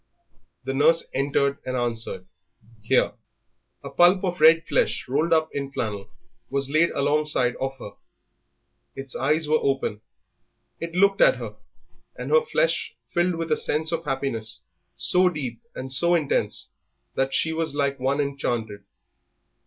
The nurse entered, and answered, "Here." A pulp of red flesh rolled up in flannel was laid alongside of her. Its eyes were open; it looked at her, and her flesh filled with a sense of happiness so deep and so intense that she was like one enchanted.